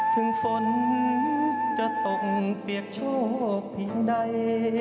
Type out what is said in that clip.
ถึงฝนจะตกเปียกโชคเพียงใด